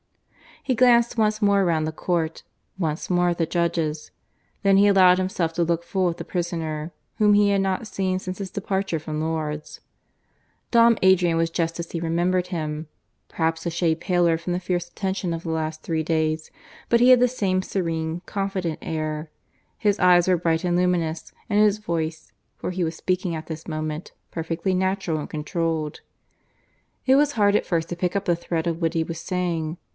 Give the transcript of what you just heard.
He glanced once more round the court, once more at the judges. Then he allowed himself to look full at the prisoner, whom he had not seen since his departure from Lourdes. Dom Adrian was just as he remembered him, perhaps a shade paler from the fierce attention of the last three days, but he had the same serene, confident air; his eyes were bright and luminous, and his voice (for he was speaking at this moment) perfectly natural and controlled. It was hard at first to pick up the thread of what he was saying.